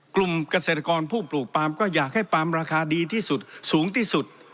กลุ่มเกษตรกรผู้ปลูกปลามก็อยากให้ปามราคาดีที่สุดสูงที่สุด